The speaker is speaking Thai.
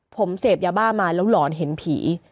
ผมเสพยาบ้ามาแล้วหลอนเห็นผี